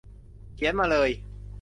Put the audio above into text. เขียนมาเลย